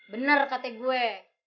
bener kata gue